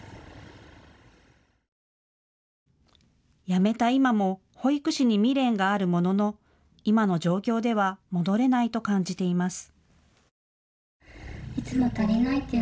辞めた今も保育士に未練があるものの、今の状況では戻れないと感じています。